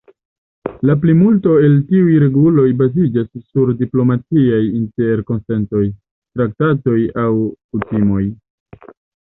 La plimulto el tiuj reguloj baziĝas sur diplomatiaj interkonsentoj, traktatoj aŭ kutimoj.